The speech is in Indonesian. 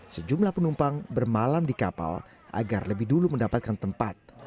sejumlah penumpang bermalam di kapal agar lebih dulu mendapatkan tempat